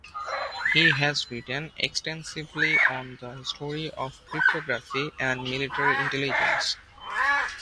He has written extensively on the history of cryptography and military intelligence.